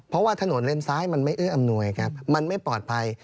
เพราะว่าถนนเลนซ้ายมันไม่เอื้ออำนวยครับมันไม่ปลอดภัย